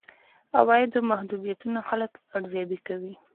عوایدو محدودیتونه خلک ارزيابي کوي.